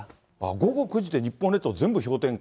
午後９時で日本列島、全部氷点下。